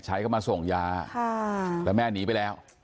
ใช้เข้ามาส่งยาแต่แม่หนีไปแล้ว